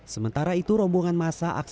sementara itu rombongan masa aksi